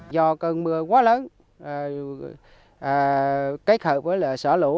do cơn mưa quá lớn kết hợp với sở lũ